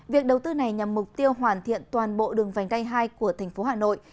việc đầu tư này nhằm mục tiêu hoàn thiện toàn bộ đường vành đai hai của thành phố hà nội